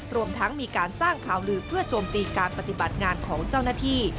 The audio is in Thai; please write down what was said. รวมทั้งมีการสร้างข่าวลือเพื่อโจมตีการปฏิบัติงานของเจ้าหน้าที่